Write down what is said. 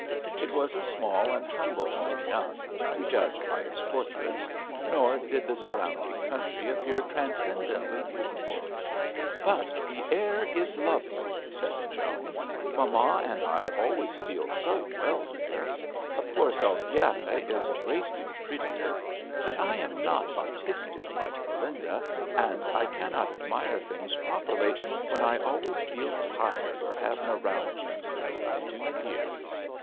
It was a small and humble home enough, to judge by its portraits, nor did the surrounding country appear transcendently beauti ful. " But the air is lovely," said Joan. " Mamma and I always feel so well there. Of course Oliviera is a great deal prettier ; but I am not artistic like Be linda, and I cannot admire things properly when I always feel tired or have neuralgia, as I do here.